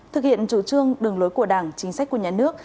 thực hiện chủ trương đường lối của đảng chính sách của nhà nước